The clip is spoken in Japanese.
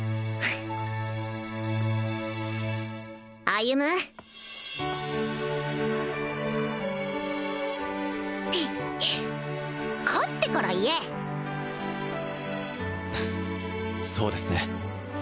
歩勝ってから言えそうですね